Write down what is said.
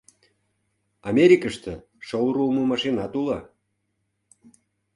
Америкыште шыл руымо машинат уло.